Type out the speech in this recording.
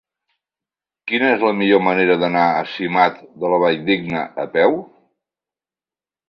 Quina és la millor manera d'anar a Simat de la Valldigna a peu?